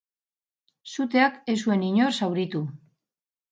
Suteak ez zuen inor zauritu.